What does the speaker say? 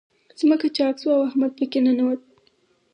ځمکه چاک شوه، او احمد په کې ننوت.